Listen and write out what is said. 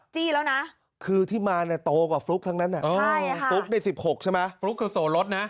จี้แล้วนะคือที่มาเนี่ยโตกว่าฟลุ๊กทั้งนั้นฟลุ๊กได้๑๖ใช่ไหมฟลุ๊กกับโสรสนะ